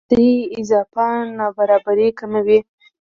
دې اضافه نابرابرۍ کموي.